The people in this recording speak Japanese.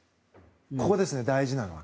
ここですね、大事なのは。